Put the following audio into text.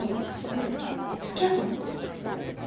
えっ、つきあったの？